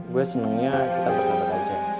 gue senengnya kita bersama aja